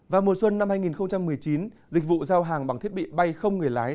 vào mùa xuân năm hai nghìn một mươi chín dịch vụ giao hàng bằng thiết bị bay không người lái